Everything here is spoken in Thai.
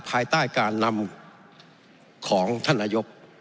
ภายใต้การนำของท่านนายก